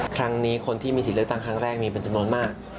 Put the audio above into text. ครั้งนี้คนที่มีสิทธิ์เลือกตั้งครั้งแรกมีเป็นจำนวนมาก